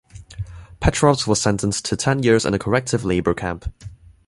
Petrovs was sentenced to ten years in a corrective labor camp.